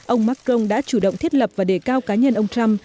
ông macron đã chủ động thiết lập và đề cao cá nhân ông trump